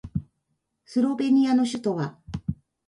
スロベニアの首都はリュブリャナである